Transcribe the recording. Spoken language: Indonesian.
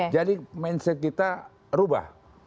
jadi mindset kita rubah